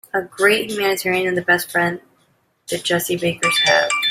A great humanitarian and the best friend the Jessie Bakers have.